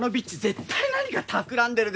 絶対何かたくらんでるでしょ？